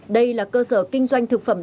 đây là cơ sở kinh doanh thực phẩm đông